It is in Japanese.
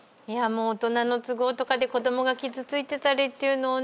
大人の都合とかで子供が傷ついてたりって。